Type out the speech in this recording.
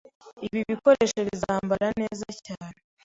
Ibi bikoresho bizambara neza cyane.